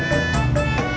ya pat teman gue